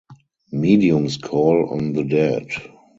Mediums call on the dead.